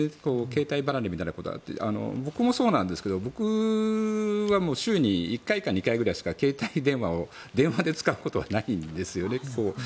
携帯離れみたいなことがあって僕もそうなんですが僕も週に１回か２回くらいしか携帯電話を電話で使うことはないんですよね。